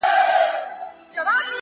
اوس ژاړي’ اوس کتاب ژاړي’ غزل ژاړي’